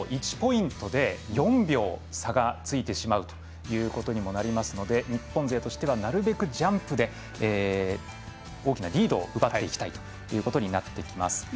１ポイントで４秒、差がついてしまうということにもなりますので日本勢としてはなるべくジャンプで大きなリードを奪っていきたいということになってきます。